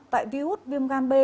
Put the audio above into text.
tại virus viêm gan b